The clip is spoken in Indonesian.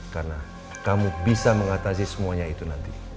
karena kamu bisa mengatasi semuanya itu nanti